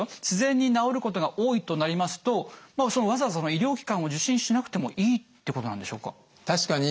自然に治ることが多いとなりますとわざわざ医療機関を受診しなくてもいいってことなんでしょうか？